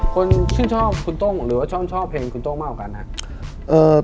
คนชื่นชอบคุณโต้งหรือว่าชอบเพลงคุณโต้งมากกว่ากันครับ